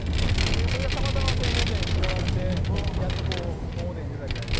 それがたまたまメディアに拾われてやっと表に出たぐらいで。